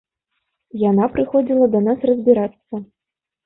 Яна прыходзіла да нас разбірацца.